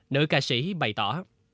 nữ ca sĩ bày tỏ